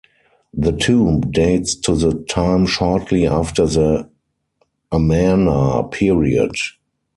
The tomb dates to the time shortly after the Amarna Period.